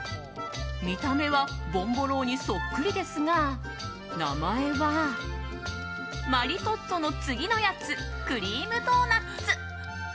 見た目はボンボローニそっくりですが名前は、マリトッツォの次のやつ‐クリームドーナッツ‐。